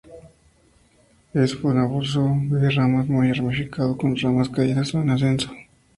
Es un arbusto de ramas muy ramificado, con ramas caídas o en ascenso.